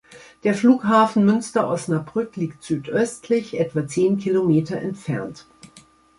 Der Flughafen Münster-Osnabrück liegt südöstlich, etwa zehn Kilometer entfernt.